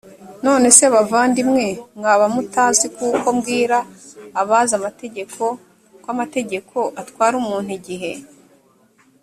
none se bavandimwe mwaba mutazi kuko mbwira abazi amategeko ko amategeko atwara umuntu igihe